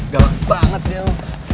gampang banget dia